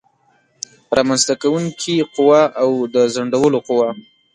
رامنځته کوونکې قوه او د ځنډولو قوه